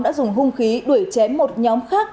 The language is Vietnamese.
đã dùng hung khí đuổi chém một nhóm khác